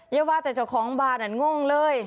แบบว่าแต่จะของบ้านโง่นเลย